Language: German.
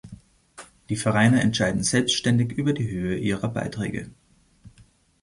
Die Vereine entscheiden selbständig über die Höhe ihrer Beiträge.